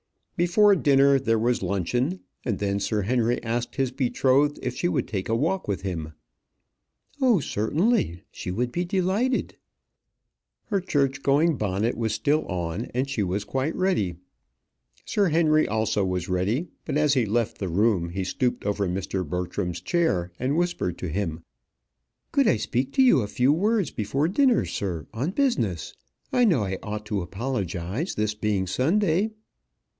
Before dinner, there was luncheon; and then Sir Henry asked his betrothed if she would take a walk with him. "Oh, certainly, she would be delighted." Her church going bonnet was still on, and she was quite ready. Sir Henry also was ready; but as he left the room he stooped over Mr. Bertram's chair and whispered to him, "Could I speak to you a few words before dinner, sir; on business? I know I ought to apologize, this being Sunday."